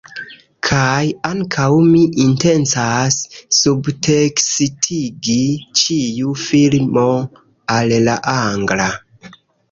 Kaj ankaŭ mi intencas subtekstigi ĉiu filmo al la angla